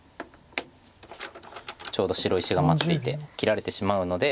ちょうど白石が待っていて切られてしまうので。